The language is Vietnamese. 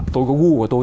tôi có gu của tôi